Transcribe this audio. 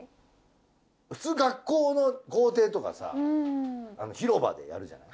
普通学校の校庭とかさ広場でやるじゃない。